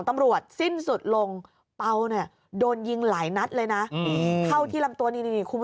อาวุธปืนสงคราม